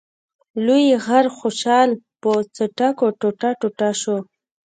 لوی غر خوشحال په څټکو ټوټه ټوټه شو.